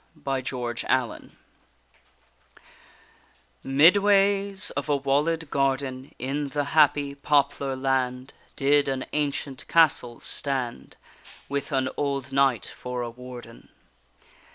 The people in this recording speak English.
_ GOLDEN WINGS Midways of a wallèd garden, In the happy poplar land, Did an ancient castle stand, With an old knight for a warden.